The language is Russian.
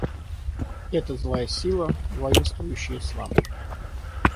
Эта злая сила — воинствующий ислам.